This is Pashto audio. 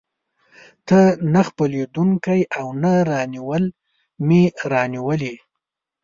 ته نه خپلېدونکی او نه رانیولى مې راونیولې.